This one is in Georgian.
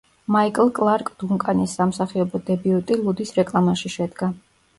მაიკლ კლარკ დუნკანის სამსახიობო დებიუტი ლუდის რეკლამაში შედგა.